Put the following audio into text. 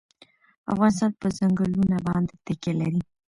افغانستان په ځنګلونه باندې تکیه لري.